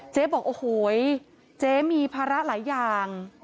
บอกโอ้โหเจ๊มีภาระหลายอย่าง